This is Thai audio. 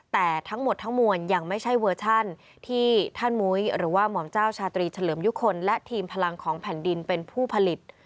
แต่ทั้งหมดทั้งมวลยังไม่ใช่เวอร์ชันที่ท่านมุ้ยหรือว่าหม่อมเจ้าชาตรีเฉลิมยุคลและทีมพลังของแผ่นดินเป็นผู้ผลิต